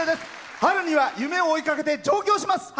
春には夢を追いかけて上京します。